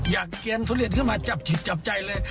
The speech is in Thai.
อยากกินทุเรียนขึ้นมาจับผิดจับใจเลย